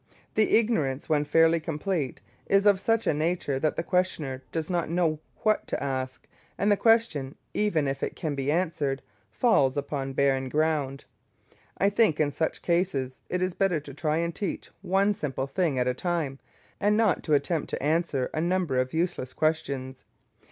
The ignorance, when fairly complete, is of such a nature that the questioner does not know what to ask, and the question, even if it can be answered, falls upon barren ground. I think in such cases it is better to try and teach one simple thing at a time, and not to attempt to answer a number of useless questions.